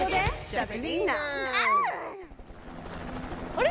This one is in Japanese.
あれ？